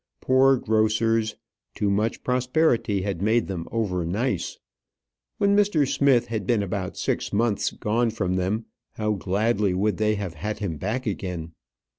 Poor grocers! too much prosperity had made them over nice. When Mr. Smith had been about six months gone from them, how gladly would they have had him back again!